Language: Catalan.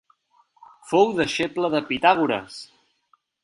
Fou deixeble de Pitàgores.